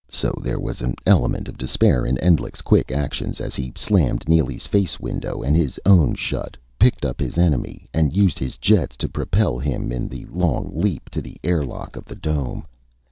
So there was an element of despair in Endlich's quick actions as he slammed Neely's face window and his own shut, picked up his enemy, and used his jets to propel him in the long leap to the airlock of the dome.